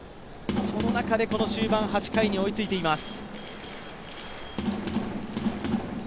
その中でこの終盤、８回に追いついています。